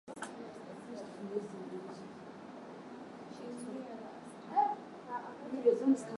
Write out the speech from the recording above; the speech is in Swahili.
Ukikata tiketi, utaweza kuchagua chakula chako.